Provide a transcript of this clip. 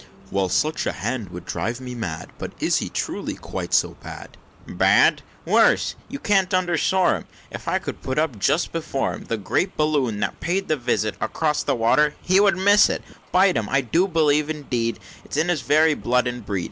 "Well, such a hand would drive me mad; But is he truly quite so bad?" "Bad! worse! you cannot underssore him; If I could put up, just before him, The great Balloon that paid the visit Across the water, he would miss it! Bite him! I do believe, indeed, It's in his very blood and breed!